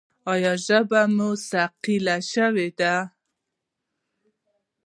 ایا ژبه مو ثقیله شوې ده؟